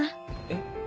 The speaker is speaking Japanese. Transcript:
えっ？